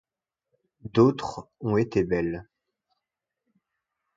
D’autres ont été belles